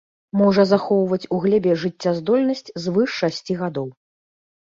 Можа захоўваць у глебе жыццяздольнасць звыш шасці гадоў.